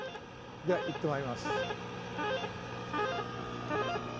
では行ってまいります。